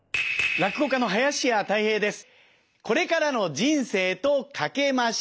落語家の林家たい平です。